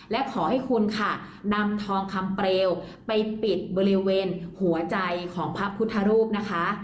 และขอให้คุณค่ะนำทองคำเปลวไปปิดบริเวณหัวใจของพระพุทธรูปนะคะ